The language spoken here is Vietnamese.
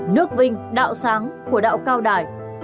nước vinh đạo sáng của đạo cao đài